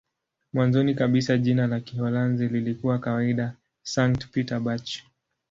Mwanzoni kabisa jina la Kiholanzi lilikuwa kawaida "Sankt-Pieterburch".